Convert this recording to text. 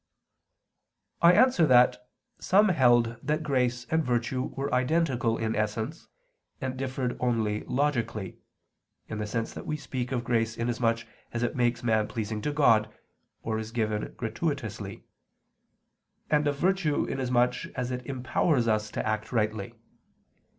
I answer that, Some held that grace and virtue were identical in essence, and differed only logically in the sense that we speak of grace inasmuch as it makes man pleasing to God, or is given gratuitously and of virtue inasmuch as it empowers us to act rightly.